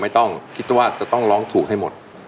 ไม่ต้องคิดว่าจะต้องร้องถูกให้หมด